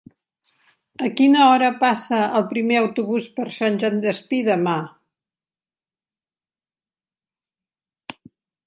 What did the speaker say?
A quina hora passa el primer autobús per Sant Joan Despí demà?